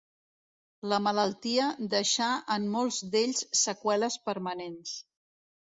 La malaltia deixà en molts d'ells seqüeles permanents.